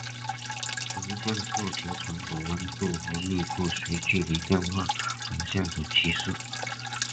呈现色球层的温度和密度随距离变化呈现的趋势。